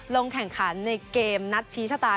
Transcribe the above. ลงแข่งขันในเกมนัดชี้ชะตา